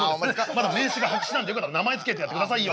まだ名刺が白紙なんでよかったら名前付けてやってくださいよ。